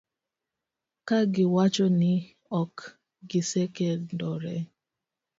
ka giwacho ni ok gisekendore.